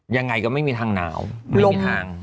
ยังไงก็ไม่มีทางหนาวไม่มีทาง